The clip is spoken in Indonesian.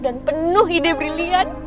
dan penuh ide brilian